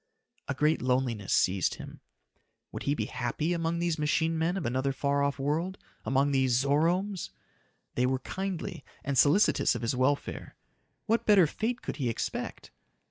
A great loneliness seized him. Would he be happy among these machine men of another far off world among these Zoromes? They were kindly and solicitous of his welfare. What better fate could he expect?